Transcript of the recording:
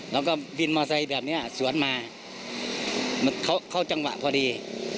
แล้วก็บินมอเซไลด์เสวนมาเสวนมาเข้าจังหวะพอดี